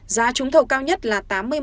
giá trúng thầu cao nhất là tám mươi một